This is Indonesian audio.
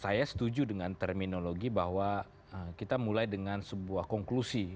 saya setuju dengan terminologi bahwa kita mulai dengan sebuah konklusi